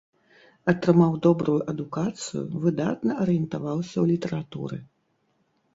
Атрымаў добрую адукацыю, выдатна арыентаваўся ў літаратуры.